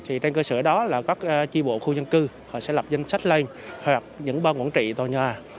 thì trên cơ sở đó là các tri bộ khu dân cư họ sẽ lập danh sách lên hoặc những bang quản trị tòa nhà